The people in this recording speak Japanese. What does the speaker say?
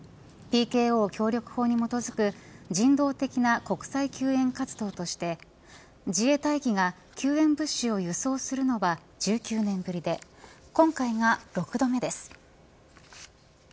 ＰＫＯ協力法に基づく人道的な国際救援活動として自衛隊機が救援物資を輸送するのは１９年ぶりで今回が６度目です。